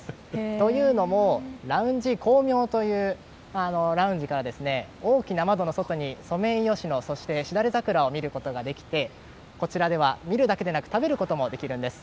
というのもラウンジ光明というラウンジから大きな窓の外にソメイヨシノ、そしてしだれ桜を見ることができてこちらでは見るだけではなくて食べることもできるんです。